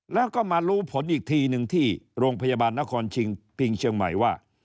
แล้วก็มารู้ผลอีกทีหนึ่งที่โรงพยาบาลนครชิงพิงเชียงใหม่ว่า